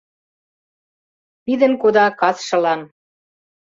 Пидын кода касшылан.